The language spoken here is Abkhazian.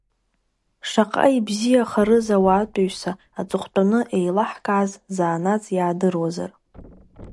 Шаҟа ибзиахарыз ауаатәыҩса аҵыхәтәаны еилаҳкааз, заанаҵ иаадыруазар.